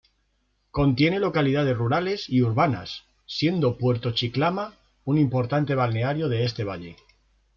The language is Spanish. Contiene localidades rurales y urbanas, siendo Puerto Chicama un importante balneario de este valle.